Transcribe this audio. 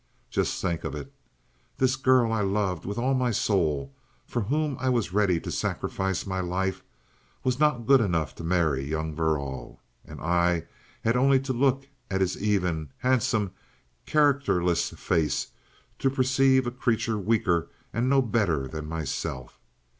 Just think of it! This girl I loved with all my soul, for whom I was ready to sacrifice my life, was not good enough to marry young Verrall. And I had only to look at his even, handsome, characterless face to perceive a creature weaker and no better than myself.